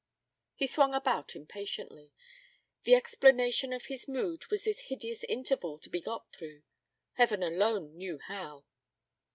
He swung about impatiently. The explanation of his mood was this hideous interval to be got through, Heaven alone knew how.